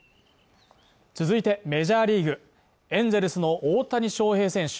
続いてメジャーリーグエンゼルスの大谷翔平選手